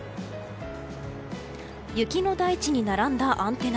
雪の大地に並んだアンテナ。